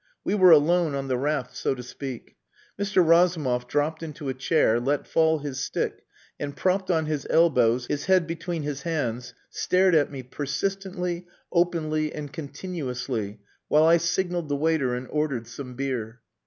We were alone on the raft, so to speak. Mr. Razumov dropped into a chair, let fall his stick, and propped on his elbows, his head between his hands, stared at me persistently, openly, and continuously, while I signalled the waiter and ordered some beer.